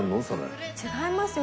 違いますよ。